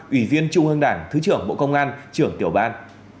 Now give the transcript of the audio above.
ủy viên trung ương đảng thứ trưởng bộ công an trưởng tiểu ban